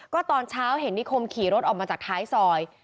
ก็ตอนเช้าเห็นนิคมขี่รถออกมาจากท้ายซอย